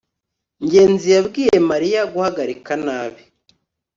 ngenzi yabwiye mariya guhagarika nabi